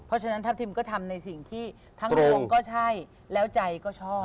เพราะฉะนั้นทัพทิมก็ทำในสิ่งที่ทั้งองค์ก็ใช่แล้วใจก็ชอบ